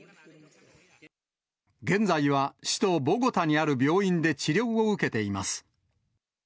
現在は首都ボゴタにある病院で治療を受けています。